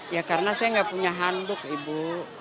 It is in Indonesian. ya karena saya nggak punya handuk ibu